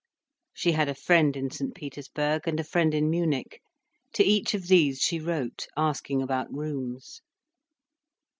She had a friend in St Petersburg and a friend in Munich. To each of these she wrote, asking about rooms.